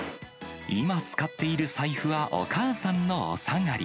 今使っている財布はお母さんのお下がり。